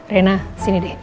rena sini deh